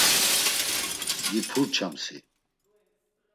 “Gipurçam si.”